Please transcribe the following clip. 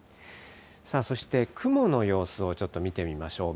さあそして雲の様子をちょっと見てみましょう。